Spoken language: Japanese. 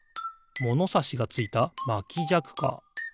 ものさしがついたまきじゃくか。